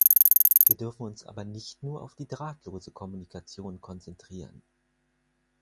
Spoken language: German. Wir dürfen uns aber nicht nur auf die drahtlose Kommunikation konzentrieren.